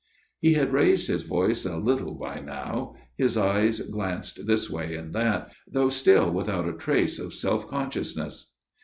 He had raised his voice a little by now ; his eyes glanced this way and that, though still without a trace of self consciousness.